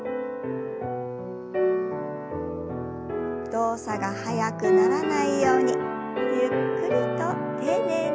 動作が速くならないようにゆっくりと丁寧に。